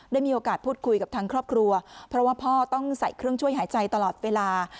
ได้มีโอกาสพูดคุยกับทางครอบครัวเพราะว่าพ่อต้องใส่เครื่องช่วยหายใจตลอดเวลา